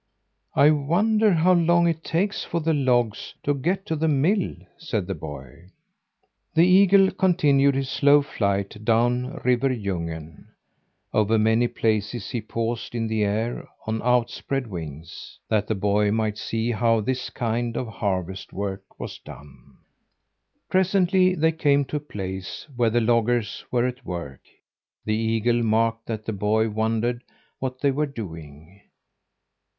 "I wonder how long it takes for the logs to get to the mill?" said the boy. The eagle continued his slow flight down River Ljungen. Over many places he paused in the air on outspread wings, that the boy might see how this kind of harvest work was done. Presently they came to a place where the loggers were at work. The eagle marked that the boy wondered what they were doing.